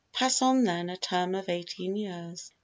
Pass on then A term of eighteen years.